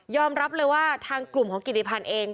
รับเลยว่าทางกลุ่มของกิติพันธ์เอง